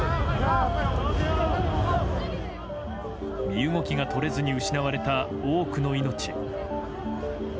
身動きが取れずに失われた多くの命。